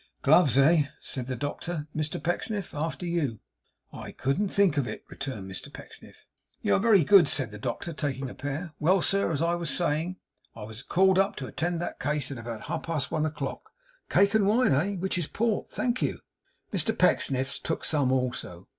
'Gloves, eh?' said the doctor. 'Mr Pecksniff after you.' 'I couldn't think of it,' returned Mr Pecksniff. 'You are very good,' said the doctor, taking a pair. 'Well, sir, as I was saying I was called up to attend that case at about half past one o'clock. Cake and wine, eh? Which is port? Thank you.' Mr Pecksniff took some also.